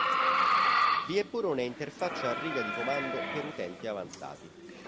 Vi è pure una interfaccia a riga di comando per utenti avanzati.